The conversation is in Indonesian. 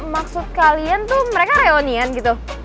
maksud kalian tuh mereka reunian gitu